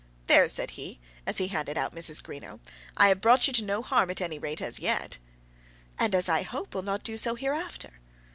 "There," said he, as he handed out Mrs. Greenow. "I have brought you to no harm, at any rate as yet." "And, as I hope, will not do so hereafter."